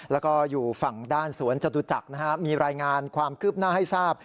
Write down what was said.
แล้วก็อยู่ฝั่งด้านสวนจตุจักรมีรายงานความคืบหน้าให้ทราบ